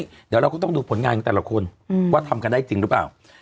เดี๋ยวเราก็ต้องดูผลงานของแต่ละคนว่าทำกันได้จริงหรือเปล่า